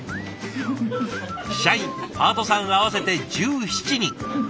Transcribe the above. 社員パートさん合わせて１７人。